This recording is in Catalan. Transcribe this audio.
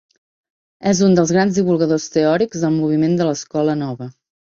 És un dels grans divulgadors teòrics del moviment de l'escola nova.